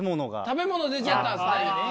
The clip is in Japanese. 食べ物出ちゃったんすね。